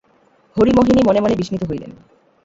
হরিমোহিনী মনে মনে বিস্মিত হইলেন।